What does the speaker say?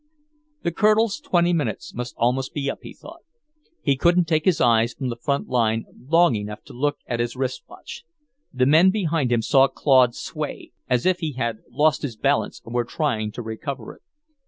The Colonel's twenty minutes must be almost up, he thought. He couldn't take his eyes from the front line long enough to look at his wrist watch.... The men behind him saw Claude sway as if he had lost his balance and were trying to recover it.